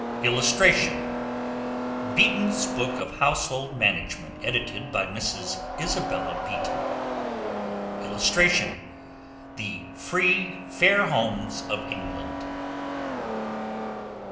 [Illustration: BEETON'S Book of HOUSEHOLD MANAGEMENT EDITED BY MRS. ISABELLA BEETON] [Illustration: "THE FREE, FAIR HOMES OF ENGLAND."